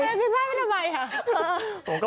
ขอทะเบียนบ้านเป็นทำไมอ่ะ